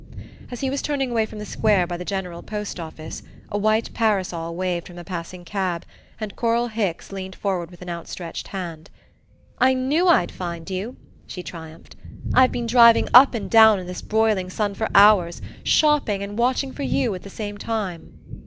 As he was turning away from the square by the general Post Office, a white parasol waved from a passing cab, and Coral Hicks leaned forward with outstretched hand. "I knew I'd find you," she triumphed. "I've been driving up and down in this broiling sun for hours, shopping and watching for you at the same time."